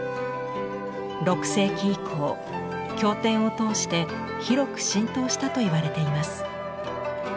６世紀以降経典を通して広く浸透したといわれています。